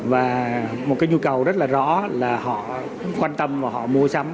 và một nhu cầu rất rõ là họ quan tâm và mua sắm